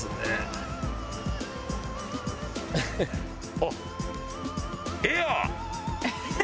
あっ。